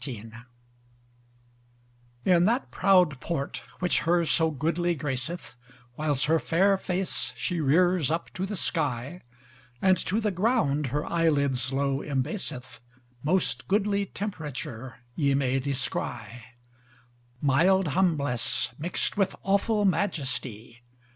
XIII In that proud port, which her so goodly graceth, Whiles her fair face she rears up to the sky: And to the ground her eyelids low embaseth, Most goodly temperature ye may descry, Mild humbless mixed with awful majesty.